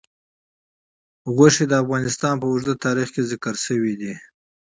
غوښې د افغانستان په اوږده تاریخ کې ذکر شوی دی.